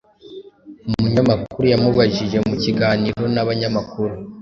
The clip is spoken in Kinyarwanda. umunyamakuru yamubajije mu kiganiro n’abanyamakuru